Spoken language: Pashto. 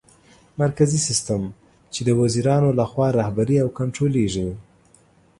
مرکزي سیستم : چي د وزیرانو لخوا رهبري او کنټرولېږي